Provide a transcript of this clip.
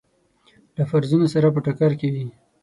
له فرضونو سره په ټکر کې وي.